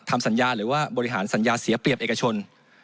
ทำสัญญาหรือว่าบริหารสัญญาเสียเปรียบเอกชน